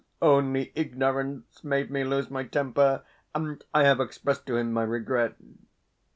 Only ignorance made me lose my temper, and I have expressed to him my regret....